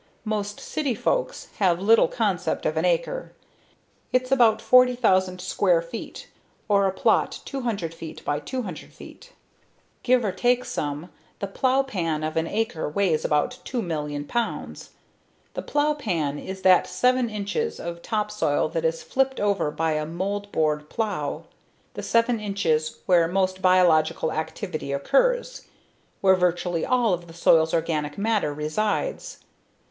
Most city folks have little concept of an acre; its about 40,000 square feet, or a plot 200' x 200'. Give or take some, the plow pan of an acre weighs about two million pounds. The plow pan is that seven inches of topsoil that is flipped over by a moldboard plow, the seven inches where most biological activity occurs, where virtually all of the soil's organic matter resides.